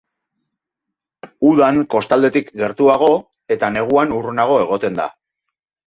Udan kostaldetik gertuago eta neguan urrunago egoten da.